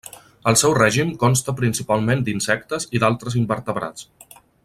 El seu règim consta principalment d'insectes i d'altres invertebrats.